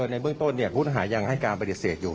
ในเมืองต้นเนี่ยพุทธอาหารยังให้การบริเศษอยู่